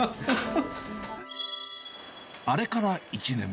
あれから１年。